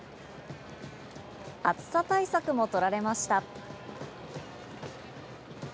暑さ対策もとられました。